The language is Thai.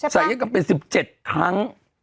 ศัยกรรมเป็น๑๗ครั้ง